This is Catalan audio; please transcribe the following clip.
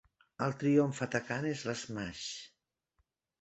El triomf atacant és l'smash.